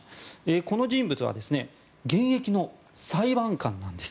この人物は現役の裁判官なんです。